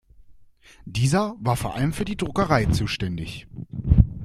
Dieser war vor allem für die Druckerei zuständig.